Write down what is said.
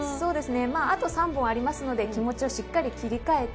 あと３本ありますので気持ちをしっかり切り替えて